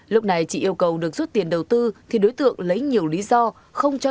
lúc này chị yêu cầu được rút tiền đầu tư thì đối tượng lấy nhiều lý do